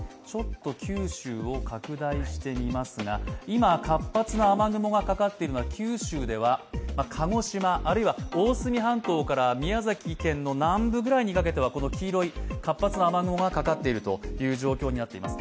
九州を拡大してみますが、今、活発な雨雲がかかっているのは九州では鹿児島あるいは大隅半島から宮崎県の南部くらいにかけてはこの黄色い活発な雨雲がかかっているという状況になっています。